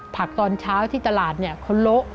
ป้ากตอนเช้าที่ตลาดเนี่ยคนเลอะ